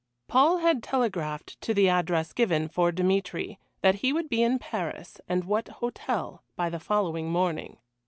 Paul had telegraphed to the address given, for Dmitry, that he would be in Paris, and at what hotel, by the following morning.